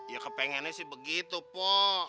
ya kepengennya sih begitu po